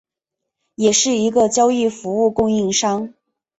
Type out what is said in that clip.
也是一个交易服务供应商。